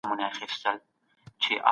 ژوند د خوشحالۍ سندره